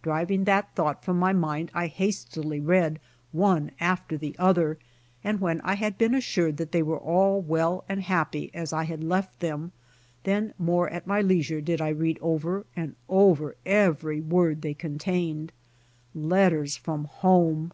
Driving that thought from my mind I hastily read one after the other, and when I had been assured that all were well and happy as I had left them, then more at my leisure did I read over 102 BY OX TEAM TO CALIFORNIA and over every word thev contained. Letters from home!